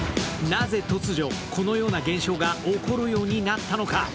なぜ突如このような現象が起こるようになったのか？